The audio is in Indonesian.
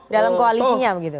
dalam koalisinya begitu